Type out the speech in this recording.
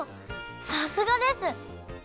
さすがです！